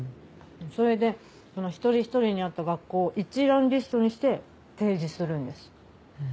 それでその一人一人に合った学校を一覧リストにして提示するんです。